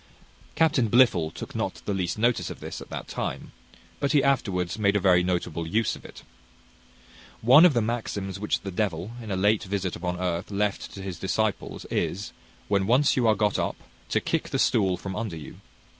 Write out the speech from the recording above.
Captain Blifil took not the least notice of this, at that time; but he afterwards made a very notable use of it. One of the maxims which the devil, in a late visit upon earth, left to his disciples, is, when once you are got up, to kick the stool from under you.